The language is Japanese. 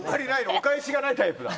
お返しがないタイプだ。